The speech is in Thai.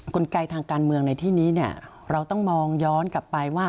กลไกทางการเมืองในที่นี้เนี่ยเราต้องมองย้อนกลับไปว่า